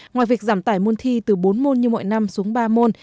ngoài việc giảm tải môn thi từ bốn môn như mọi năm xuống ba môn